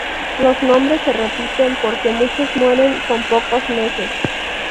Los nombres se repiten porque muchos mueren con pocos meses.